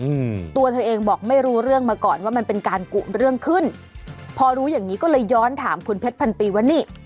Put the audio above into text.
อืมตัวเธอเองบอกไม่รู้เรื่องมาก่อนว่ามันเป็นการกุเรื่องขึ้นพอรู้อย่างงี้ก็เลยย้อนถามคุณเพชรพันปีว่านี่